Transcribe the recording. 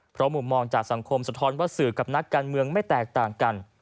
เพราะมุมมองจากสังคมสะท้อนว่าสื่อกับนักการเมืองไม่แตกต่างกัน